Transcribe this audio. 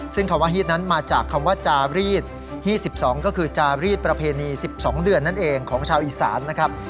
ซึ่งคำว่าฮีดนั้นมาจากคำว่าจารีด๒๒ก็คือจารีดประเพณี๑๒เดือนนั่นเองของชาวอีสานนะครับ